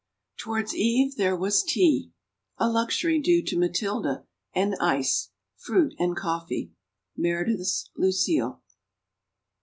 Towards eve there was tea (A luxury due to Matilda) and ice, Fruit and coffee. _Meredith's "Lucile."